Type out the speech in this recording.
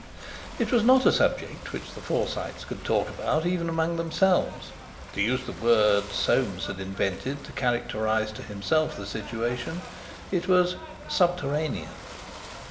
It was not a subject which the Forsytes could talk about even among themselves—to use the word Soames had invented to characterize to himself the situation, it was "subterranean."